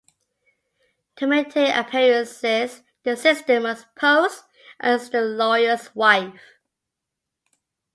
To maintain appearances, the sister must pose as the lawyer's wife.